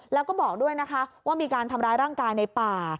แล้วก็บอกด้วยนะคะว่ามีการทำร้ายร่างกายในป่า